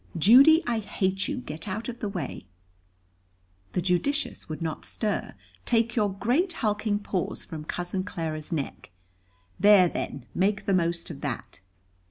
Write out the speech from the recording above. Judy, I hate you, get out of the way" the judicious would not stir "take your great hulking paws from cousin Clara's neck. There then, make the most of that!